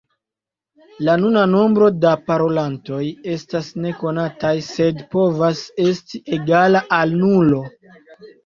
La nuna nombro da parolantoj estas nekonata sed povas esti egala al nulo.